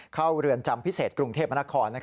เรือนจำพิเศษกรุงเทพมนาคม